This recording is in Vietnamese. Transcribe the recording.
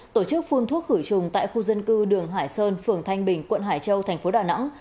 tổ chức phun thuốc khửi trùng tại khu dân cư đường hải sơn phường thanh bình quận hải châu tp đà nẵng